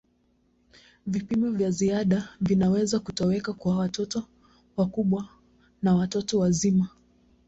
Vipimo vya ziada vinaweza kutolewa kwa watoto wakubwa na watu wazima.